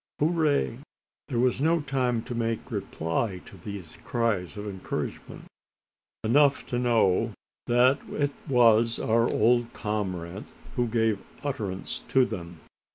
hoozay!" There was no time to make reply to these cries of encouragement. Enough to know that it was our old comrade who gave utterance to them.